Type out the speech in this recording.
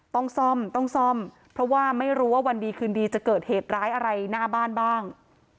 ต้องซ่อมต้องซ่อมเพราะว่าไม่รู้ว่าวันดีคืนดีจะเกิดเหตุร้ายอะไรหน้าบ้านบ้าง